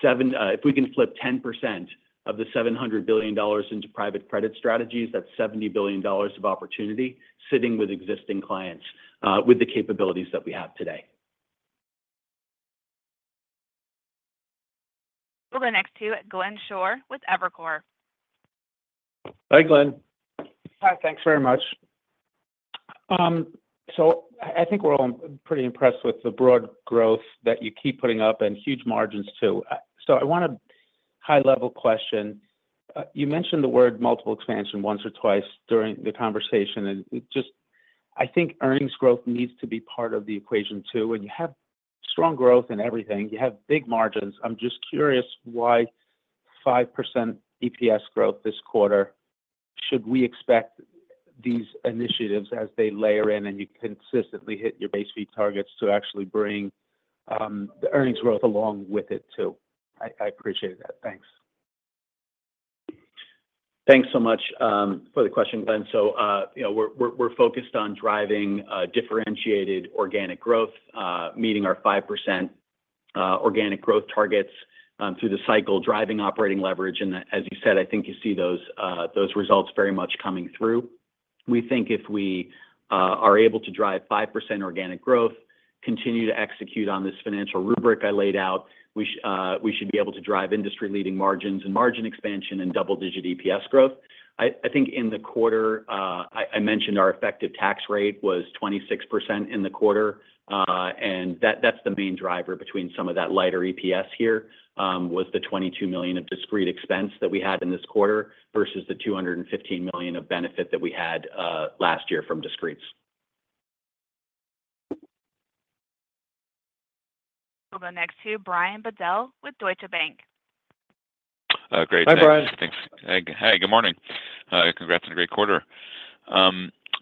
C: 10% of the $700 billion into private credit strategies, that's $70 billion of opportunity sitting with existing clients with the capabilities that we have today. We'll go next to Glenn Schorr with Evercore.
A: Hi, Glenn.
I: Hi, thanks very much. So I think we're all pretty impressed with the broad growth that you keep putting up and huge margins too. So I want a high-level question. You mentioned the word multiple expansion once or twice during the conversation. And just, I think earnings growth needs to be part of the equation too. When you have strong growth and everything, you have big margins. I'm just curious why 5% EPS growth this quarter. Should we expect these initiatives as they layer in and you consistently hit your base fee targets to actually bring the earnings growth along with it too? I appreciate that. Thanks.
C: Thanks so much for the question, Glenn. So we're focused on driving differentiated organic growth, meeting our 5% organic growth targets through the cycle, driving operating leverage. And as you said, I think you see those results very much coming through. We think if we are able to drive 5% organic growth, continue to execute on this financial rubric I laid out, we should be able to drive industry-leading margins and margin expansion and double-digit EPS growth. I think in the quarter, I mentioned our effective tax rate was 26% in the quarter. That's the main driver between some of that lighter EPS here was the $22 million of discrete expense that we had in this quarter versus the $215 million of benefit that we had last year from discretes.
A: We'll go next to Brian Bedell with Deutsche Bank.
C: Hi, Brian.
J: Thanks. Hey, good morning. Congrats on a great quarter.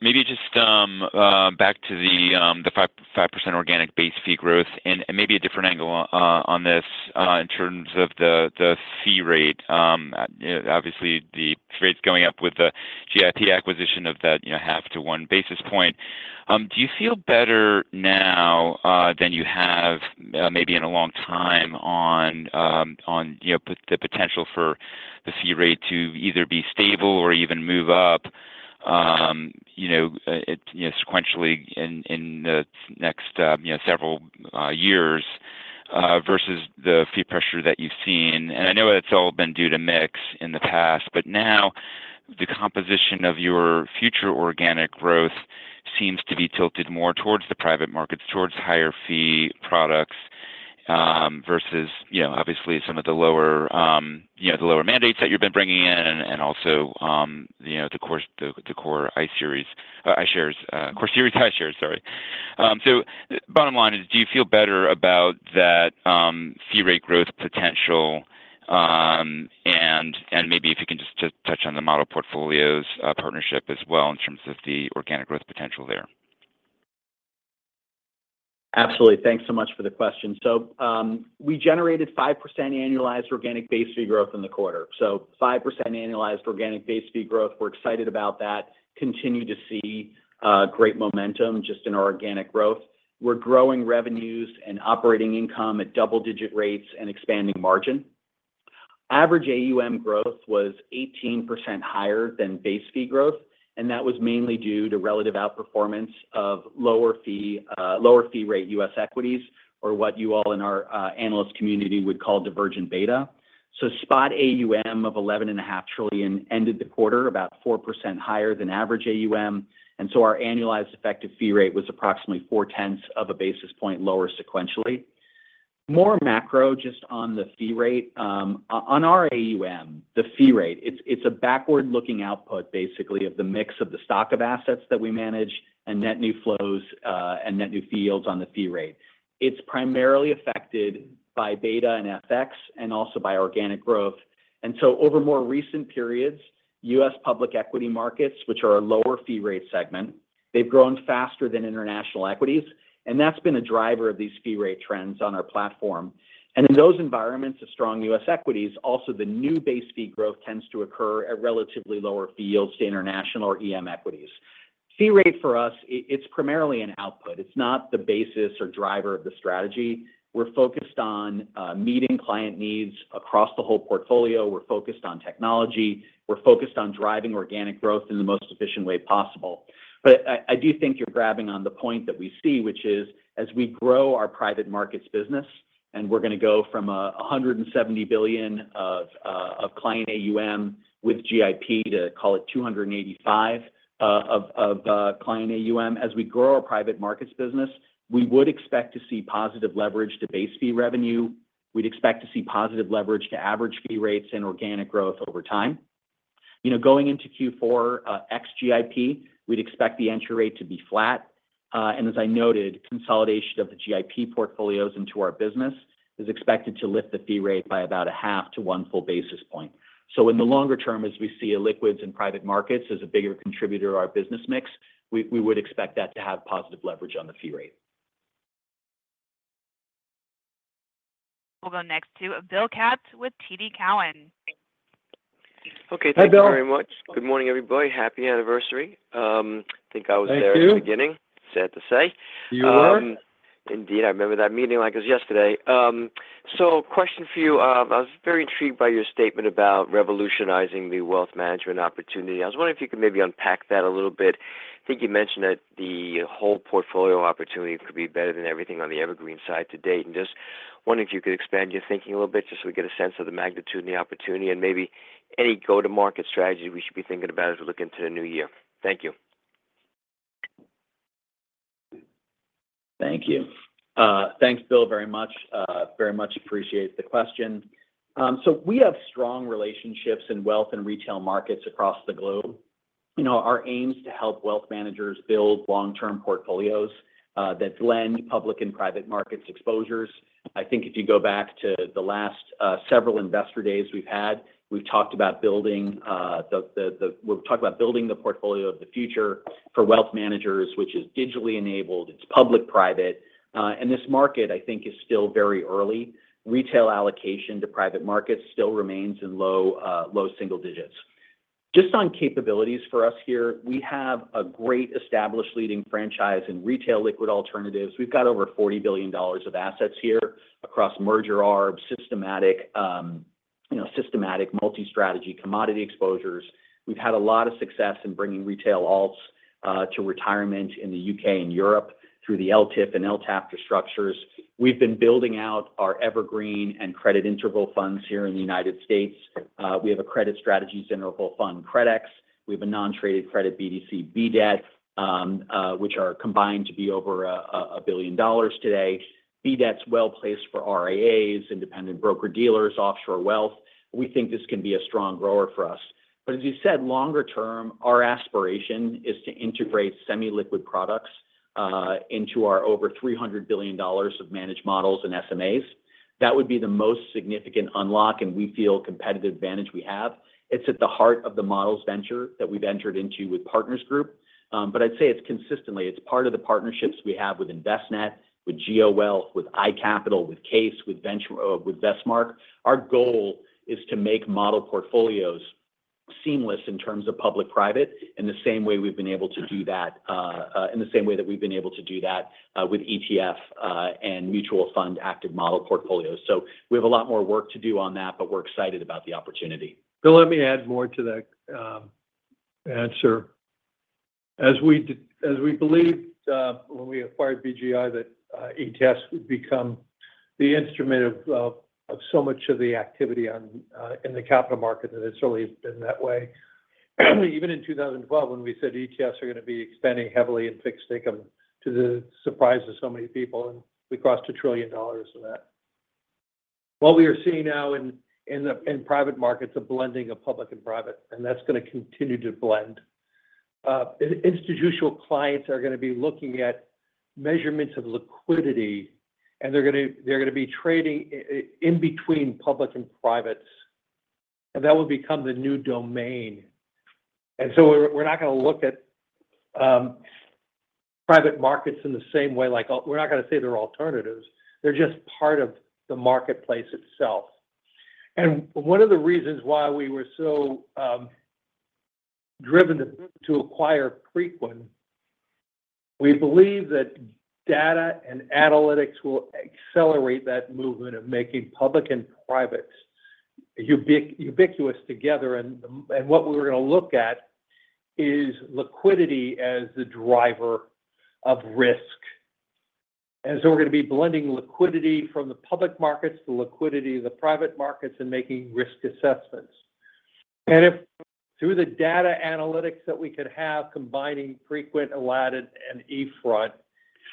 J: Maybe just back to the 5% organic base fee growth and maybe a different angle on this in terms of the fee rate. Obviously, the fee rate's going up with the GIP acquisition of that 0.5-1 basis point. Do you feel better now than you have maybe in a long time on the potential for the fee rate to either be stable or even move up sequentially in the next several years versus the fee pressure that you've seen? I know it's all been due to mix in the past, but now the composition of your future organic growth seems to be tilted more towards the private markets, towards higher fee products versus, obviously, some of the lower mandates that you've been bringing in and also the Core iShares, Core Series iShares, sorry. So bottom line is, do you feel better about that fee rate growth potential? And maybe if you can just touch on the model portfolios partnership as well in terms of the organic growth potential there.
C: Absolutely. Thanks so much for the question. We generated 5% annualized organic base fee growth in the quarter. 5% annualized organic base fee growth. We're excited about that. Continue to see great momentum just in our organic growth. We're growing revenues and operating income at double-digit rates and expanding margin. Average AUM growth was 18% higher than base fee growth. And that was mainly due to relative outperformance of lower fee rate U.S. equities, or what you all in our analyst community would call divergent beta. So spot AUM of $11.5 trillion ended the quarter about 4% higher than average AUM. And so our annualized effective fee rate was approximately 4/10 of a basis point lower sequentially. More macro just on the fee rate. On our AUM, the fee rate, it's a backward-looking output, basically, of the mix of the stock of assets that we manage and net new flows and net new yields on the fee rate. It's primarily affected by beta and FX and also by organic growth. And so over more recent periods, U.S. public equity markets, which are a lower fee rate segment, they've grown faster than international equities. And that's been a driver of these fee rate trends on our platform. And in those environments of strong U.S. equities, also the new base fee growth tends to occur at relatively lower fee yields to international or EM equities. Fee rate for us, it's primarily an output. It's not the basis or driver of the strategy. We're focused on meeting client needs across the whole portfolio. We're focused on technology. We're focused on driving organic growth in the most efficient way possible. But I do think you're grabbing on the point that we see, which is, as we grow our private markets business, and we're going to go from $170 billion of client AUM with GIP to call it $285 billion of client AUM. As we grow our private markets business, we would expect to see positive leverage to base fee revenue. We'd expect to see positive leverage to average fee rates and organic growth over time. Going into Q4 ex-GIP, we'd expect the entry rate to be flat. And as I noted, consolidation of the GIP portfolios into our business is expected to lift the fee rate by about a half to one full basis point. So in the longer term, as we see liquids and private markets as a bigger contributor to our business mix, we would expect that to have positive leverage on the fee rate.
A: We'll go next to Bill Katz with TD Cowen.
K: Okay. Thank you very much. Good morning, everybody. Happy anniversary. I think I was there at the beginning. Sad to say. You were. Indeed. I remember that meeting like it was yesterday. So question for you. I was very intrigued by your statement about revolutionizing the wealth management opportunity. I was wondering if you could maybe unpack that a little bit? I think you mentioned that the whole portfolio opportunity could be better than everything on the evergreen side to date, and just wondering if you could expand your thinking a little bit just so we get a sense of the magnitude and the opportunity and maybe any go-to-market strategy we should be thinking about as we look into the new year? Thank you. Thank you.
C: Thanks, Bill, very much. Very much appreciate the question, so we have strong relationships in wealth and retail markets across the globe. Our aim is to help wealth managers build long-term portfolios that blend public and private markets exposures. I think if you go back to the last several investor days we've had, we've talked about building the portfolio of the future for wealth managers, which is digitally enabled. It's public-private, and this market, I think, is still very early. Retail allocation to private markets still remains in low single digits. Just on capabilities for us here, we have a great established leading franchise in retail liquid alternatives. We've got over $40 billion of assets here across merger arb, systematic, multi-strategy commodity exposures. We've had a lot of success in bringing retail alts to retirement in the U.K. and Europe through the LTIF and LTAF structures. We've been building out our evergreen and credit interval funds here in the United States. We have a credit strategies interval fund, CREDX. We have a non-traded credit BDC, BCRED, which are combined to be over $1 billion today. BCRED's well placed for RIAs, independent broker-dealers, offshore wealth. We think this can be a strong grower for us. But as you said, longer term, our aspiration is to integrate semi-liquid products into our over $300 billion of managed models and SMAs. That would be the most significant unlock and we feel competitive advantage we have. It's at the heart of the models venture that we've entered into with Partners Group. But I'd say it's consistently. It's part of the partnerships we have with Envestnet, with GeoWealth, with iCapital, with CAIS, with Vestmark. Our goal is to make model portfolios seamless in terms of public-private in the same way we've been able to do that in the same way that we've been able to do that with ETF and mutual fund active model portfolios. So we have a lot more work to do on that, but we're excited about the opportunity.
D: Bill, let me add more to that answer. As we believed when we acquired BGI that ETFs would become the instrument of so much of the activity in the capital market that it's always been that way. Even in 2012, when we said ETFs are going to be expanding heavily in fixed income to the surprise of so many people, and we crossed $1 trillion of that. What we are seeing now in private markets is a blending of public and private, and that's going to continue to blend. Institutional clients are going to be looking at measurements of liquidity, and they're going to be trading in between public and privates, and that will become the new domain. And so we're not going to look at private markets in the same way. We're not going to say they're alternatives. They're just part of the marketplace itself. And one of the reasons why we were so driven to acquire Preqin, we believe that data and analytics will accelerate that movement of making public and private ubiquitous together. And what we're going to look at is liquidity as the driver of risk. And so we're going to be blending liquidity from the public markets, the liquidity of the private markets, and making risk assessments. And through the data analytics that we could have, combining Preqin, Aladdin, and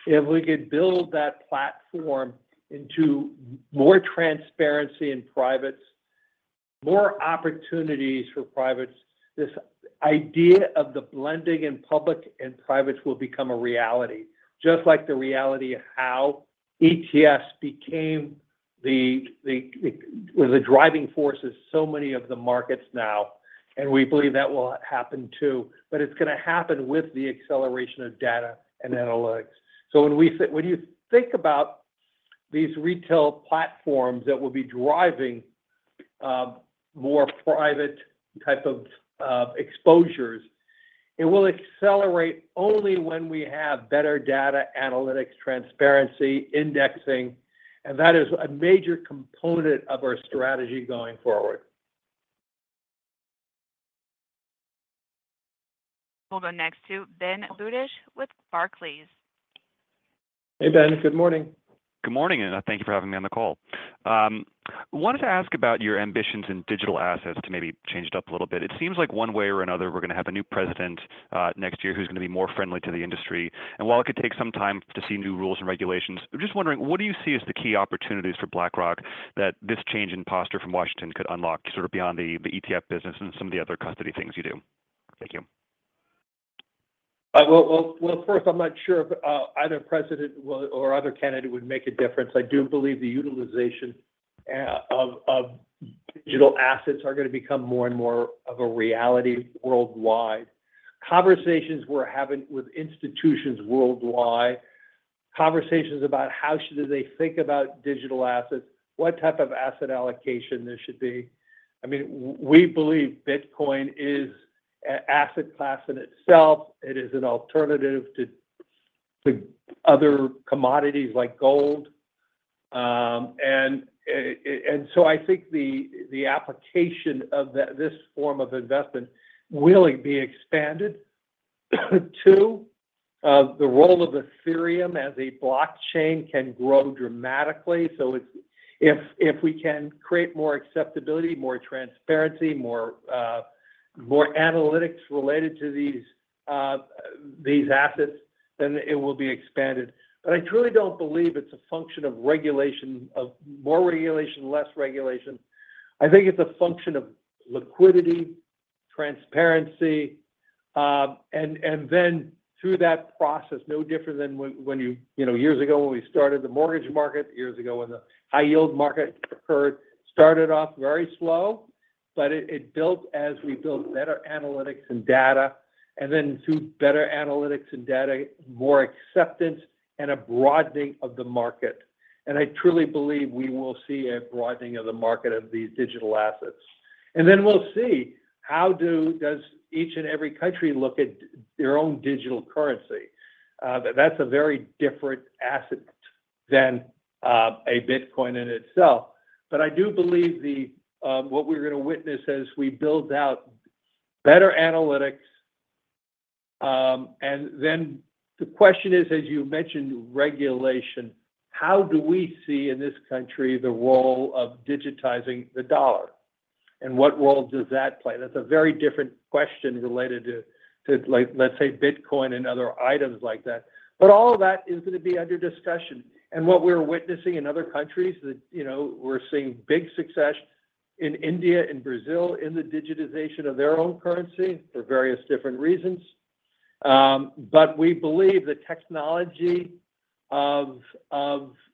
D: eFront, if we could build that platform into more transparency in privates, more opportunities for privates, this idea of the blending in public and private will become a reality, just like the reality of how ETFs became the driving force of so many of the markets now. We believe that will happen too, but it's going to happen with the acceleration of data and analytics. When you think about these retail platforms that will be driving more private type of exposures, it will accelerate only when we have better data analytics, transparency, indexing, and that is a major component of our strategy going forward.
A: We'll go next to Ben Budish with Barclays.
C: Hey, Ben. Good morning.
L: Good morning, and thank you for having me on the call. I wanted to ask about your ambitions in digital assets to maybe change it up a little bit. It seems like one way or another, we're going to have a new president next year who's going to be more friendly to the industry. And while it could take some time to see new rules and regulations, I'm just wondering, what do you see as the key opportunities for BlackRock that this change in posture from Washington could unlock sort of beyond the ETF business and some of the other custody things you do? Thank you.
D: Well, first, I'm not sure if either president or other candidate would make a difference. I do believe the utilization of digital assets are going to become more and more of a reality worldwide. Conversations we're having with institutions worldwide, conversations about how should they think about digital assets, what type of asset allocation there should be. I mean, we believe Bitcoin is an asset class in itself. It is an alternative to other commodities like gold. And so I think the application of this form of investment will be expanded too. The role of Ethereum as a blockchain can grow dramatically. So if we can create more acceptability, more transparency, more analytics related to these assets, then it will be expanded. But I truly don't believe it's a function of regulation, of more regulation, less regulation. I think it's a function of liquidity, transparency, and then through that process, no different than when years ago when we started the mortgage market, years ago when the high-yield market occurred, started off very slow, but it built as we built better analytics and data. And then through better analytics and data, more acceptance and a broadening of the market. I truly believe we will see a broadening of the market of these digital assets. And then we'll see how does each and every country look at their own digital currency? That's a very different asset than a Bitcoin in itself. But I do believe what we're going to witness as we build out better analytics. And then the question is, as you mentioned, regulation. How do we see in this country the role of digitizing the dollar? And what role does that play? That's a very different question related to, let's say, Bitcoin and other items like that. But all of that is going to be under discussion. And what we're witnessing in other countries, we're seeing big success in India and Brazil in the digitization of their own currency for various different reasons. But we believe the technology of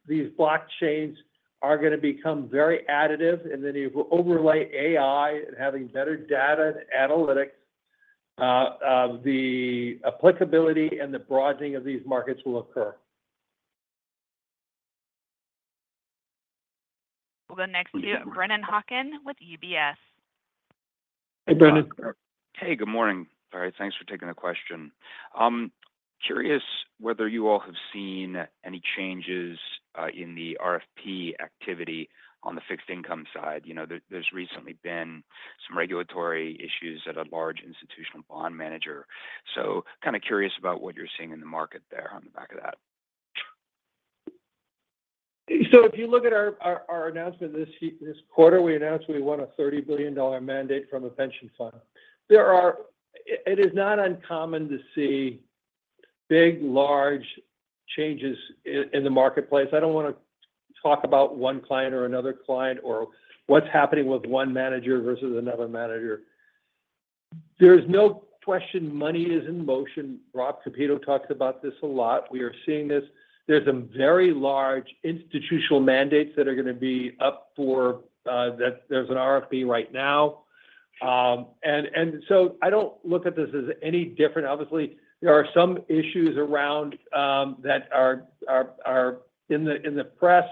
D: these blockchains are going to become very additive. And then if we overlay AI and having better data analytics, the applicability and the broadening of these markets will occur.
A: We'll go next to Brennan Hawken with UBS.
D: Hey, Brennan.
M: Hey, good morning. All right. Thanks for taking the question. Curious whether you all have seen any changes in the RFP activity on the fixed income side. There's recently been some regulatory issues at a large institutional bond manager. So kind of curious about what you're seeing in the market there on the back of that.
D: So if you look at our announcement this quarter, we announced we won a $30 billion mandate from a pension fund. It is not uncommon to see big, large changes in the marketplace. I don't want to talk about one client or another client or what's happening with one manager versus another manager. There's no question money is in motion. Rob Kapito talks about this a lot. We are seeing this. There's some very large institutional mandates that are going to be up for. There's an RFP right now. And so I don't look at this as any different. Obviously, there are some issues around that are in the press,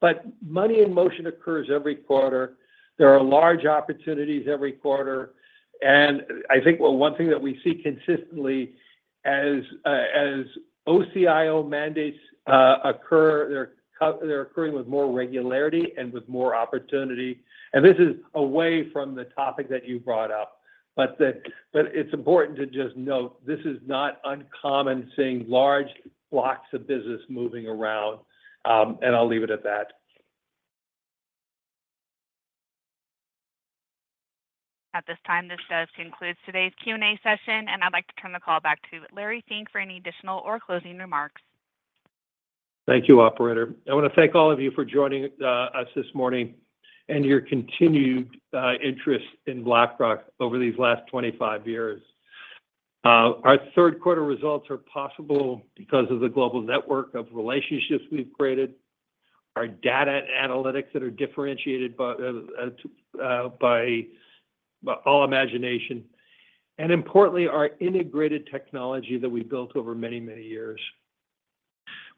D: but money in motion occurs every quarter. There are large opportunities every quarter. I think one thing that we see consistently as OCIO mandates occur, they're occurring with more regularity and with more opportunity. And this is away from the topic that you brought up, but it's important to just note this is not uncommon seeing large blocks of business moving around, and I'll leave it at that.
A: At this time, this does conclude today's Q&A session, and I'd like to turn the call back to Larry Fink for any additional or closing remarks.
D: Thank you, Operator. I want to thank all of you for joining us this morning and your continued interest in BlackRock over these last 25 years. Our third-quarter results are possible because of the global network of relationships we've created, our data analytics that are differentiated by all imagination, and importantly, our integrated technology that we built over many, many years.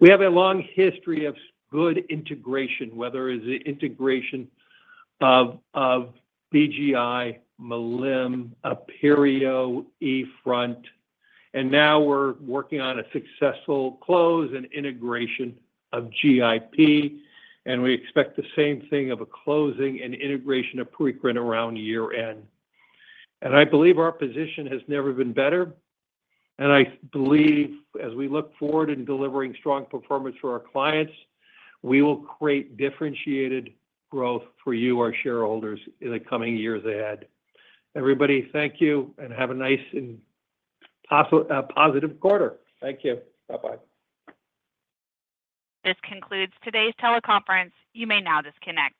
D: We have a long history of good integration, whether it's the integration of BGI, MLIM, Aperio, eFront, and now we're working on a successful close and integration of GIP, and we expect the same thing of a closing and integration of Preqin around year-end. And I believe our position has never been better, and I believe as we look forward in delivering strong performance for our clients, we will create differentiated growth for you, our shareholders, in the coming years ahead. Everybody, thank you, and have a nice and positive quarter. Thank you. Bye-bye.
A: This concludes today's teleconference. You may now disconnect.